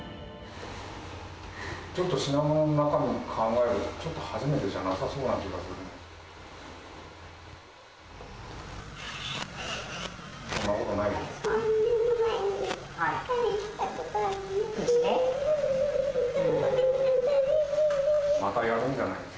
ちょっと品物の中身考えると、ちょっと初めてじゃなさそうな気がするんです。